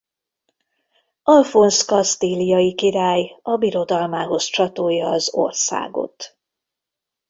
Alfonz kasztíliai király a birodalmához csatolja az országot.